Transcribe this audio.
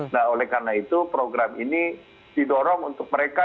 nah oleh karena itu program ini didorong untuk mereka